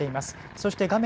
そして画面